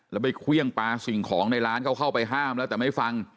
แล้วไปเครื่องปลาสิ่งของในร้านเขาเข้าไปห้ามแล้วแต่ไม่ฟัง